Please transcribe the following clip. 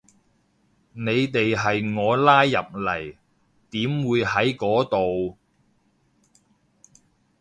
你哋係我拉入嚟，點會喺嗰度